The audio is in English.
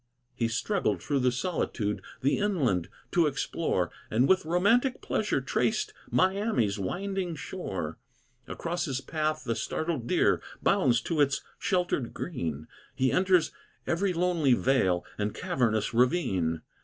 He struggled through the solitude The inland to explore, And with romantic pleasure traced Miami's winding shore. Across his path the startled deer Bounds to its shelter green; He enters every lonely vale And cavernous ravine.